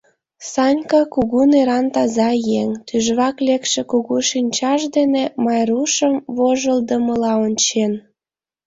Санька, кугу неран таза еҥ, тӱжвак лекше кугу шинчаж дене Майрушым вожылдымыла ончен.